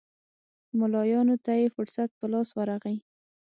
ملایانو ته یې فرصت په لاس ورغی.